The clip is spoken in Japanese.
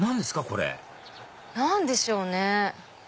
これ何でしょうね。